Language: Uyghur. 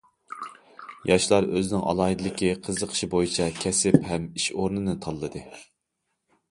ياشلار ئۆزىنىڭ ئالاھىدىلىكى، قىزىقىشى بويىچە كەسىپ ھەم ئىش ئورنىنى تاللىدى.